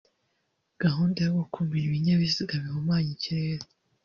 gahunda yo gukumira ibinyabiziga bihumanya ikirere